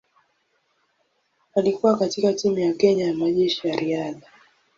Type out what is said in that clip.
Alikuwa katika timu ya Kenya ya Majeshi ya Riadha.